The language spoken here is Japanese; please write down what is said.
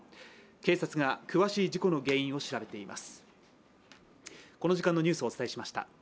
警察が詳しい事故の原因を調べています。